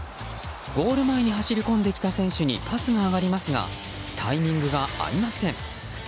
ゴール前に走り込んできた選手にパスが上がりますがタイミングが合いません。